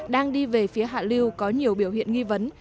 đang đi về phía hạ lưu có nhiều biểu hiện nghi vấn